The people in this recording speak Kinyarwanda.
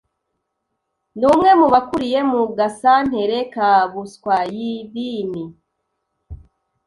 ni umwe mu bakuriye mu gasantere ka Buswayirini